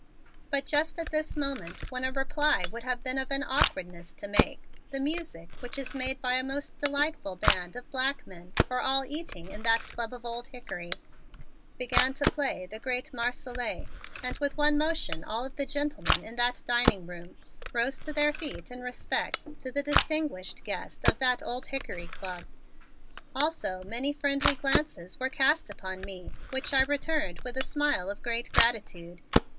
But just at this moment, when a reply would have been of an awkwardness to make, the music, which is made by a most delightful band of black men for all eating in that Club of Old Hickory, began to play the great Marseillaise, and with one motion all of the gentlemen in that dining room rose to their feet in respect to the distinguished guest of that Old Hickory Club. Also many friendly glances were cast upon me, which I returned with a smile of great gratitude.